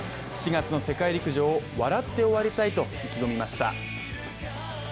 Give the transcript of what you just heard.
７月の世界陸上を笑って終わりたいと意気込みました。